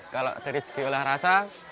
kalau dari segi olah rasa